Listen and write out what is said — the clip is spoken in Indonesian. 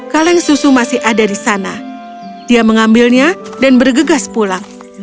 kaleng susu masih ada di sana dia mengambilnya dan bergegas pulang